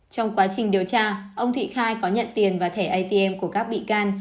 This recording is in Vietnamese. trong quá trình điều tra ông thị khai có nhận tiền và thẻ atm của các bị can